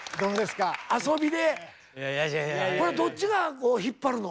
これどっちが引っ張るの？